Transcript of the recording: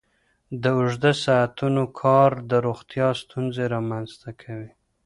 د اوږده ساعتونو کار د روغتیا ستونزې رامنځته کوي.